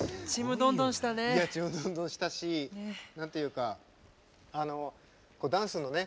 いやちむどんどんしたし何て言うかあのダンスのね